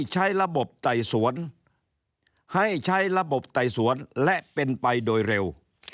ให้ใช้ระบบไต่สวนและเป็นไปโดยเร็ว